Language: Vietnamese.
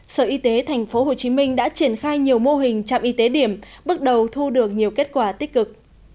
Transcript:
sở y tế tp hcm đã triển khai nhiều mô hình trạm y tế điểm bắt đầu thu được nhiều kết quả tích cực